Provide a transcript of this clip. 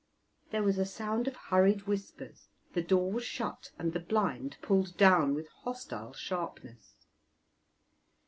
There was a sound of hurried whispers; the door was shut and the blind pulled down with hostile sharpness.